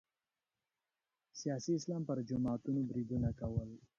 سیاسي اسلام پر جماعتونو بریدونه کول